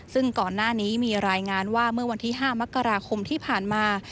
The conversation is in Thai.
ซึ่งก่อนหน้านี้มีรายงานว่าเมื่อวันที่๕มกราคมที่ผ่านมา